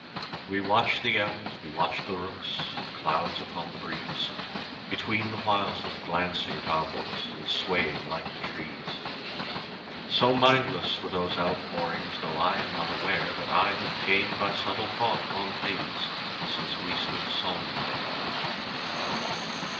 We watched the elms, we watched the rooks, The clouds upon the breeze, Between the whiles of glancing at our books, And swaying like the trees. So mindless were those outpourings!— Though I am not aware That I have gained by subtle thought on things Since we stood psalming there.